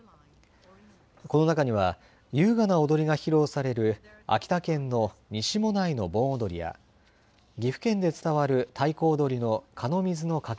この中には優雅な踊りが披露される秋田県の西馬音内の盆踊や岐阜県で伝わる太鼓踊りの寒水の掛